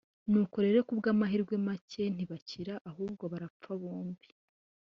nuko rero ku bw’amahirwe make ntibakira ahubwo barapfa bombi